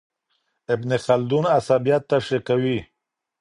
ابن خلدون عصبيت تشريح کوي.